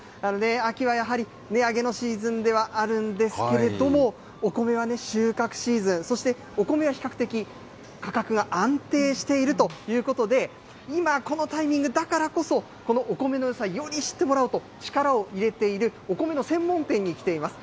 秋はやはり値上げのシーズンではあるんですけれども、お米は収穫シーズン、そしてお米は比較的価格が安定しているということで、今、このタイミングだからこそ、このお米のよさ、より知ってもらおうと、力を入れているお米の専門店に来ています。